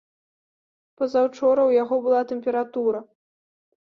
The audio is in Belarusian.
Пазаўчора ў яго была тэмпература.